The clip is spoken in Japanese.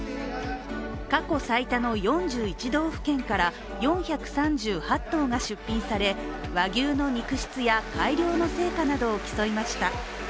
過去最多の４１道府県から４３８頭が出品され和牛の肉質や改良の成果などを競いました。